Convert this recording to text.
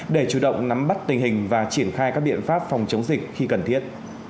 để chủ động nắm bắt tình hình và triển khai các biện pháp phòng chống dịch khi cần thiết